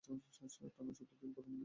টানা চতুর্থ দিন করোনায় মৃত্যু নেই